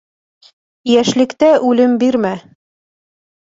Йәшлектә үлем бирмә.